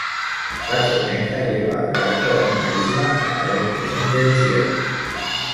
La tormenta lleva al barco a una isla aparentemente desierta.